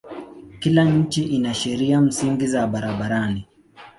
Kila nchi ina sheria msingi za barabarani.